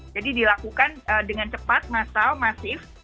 jadi dilakukan dengan cepat massal masif